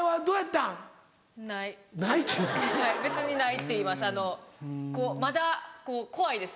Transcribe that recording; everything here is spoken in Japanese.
「別にない」って言います